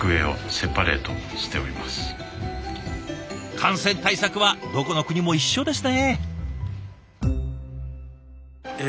感染対策はどこの国も一緒ですね。